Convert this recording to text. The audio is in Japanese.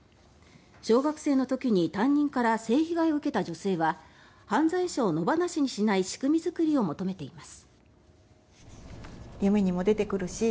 小学生の時に担任から性被害を受けた女性は犯罪者を野放しにしない仕組み作りを求めています。